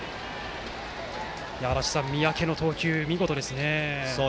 足達さん、三宅の投球見事ですね。